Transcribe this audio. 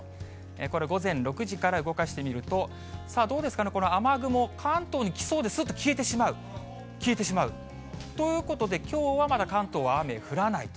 これ午前６時から動かしてみると、さあどうですかね、雨雲、関東に来そうで、すっと消えてしまう、消えてしまう。ということで、きょうはまだ関東は雨降らないと。